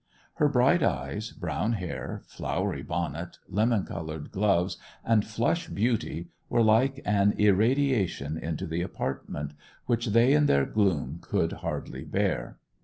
Her bright eyes, brown hair, flowery bonnet, lemon coloured gloves, and flush beauty, were like an irradiation into the apartment, which they in their gloom could hardly bear.